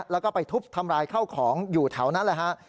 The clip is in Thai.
แล้วก็ไปทุบทำลายข้าวของอยู่แถวนั้นแหละฮะ